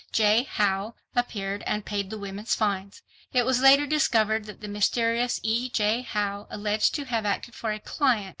J. Howe, appeared and paid the women's fines. It was later discovered that the mysterious E. J. Howe alleged to have acted for a "client."